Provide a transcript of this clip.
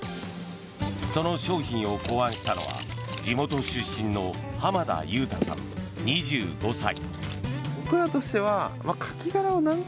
その商品を考案したのが地元出身の濱田祐太さん、２５歳。